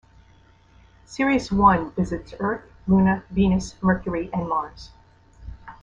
Series one visits Earth, Luna, Venus, Mercury and Mars.